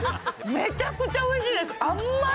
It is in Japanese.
めちゃくちゃおいしいです甘い！